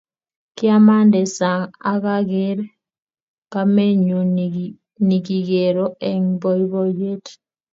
Kiamande sang akaker kamenyu nikikero eng boiboyet